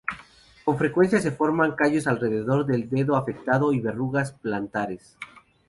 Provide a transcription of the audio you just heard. Con frecuencia se forman callos alrededor del dedo afectado y verrugas plantares.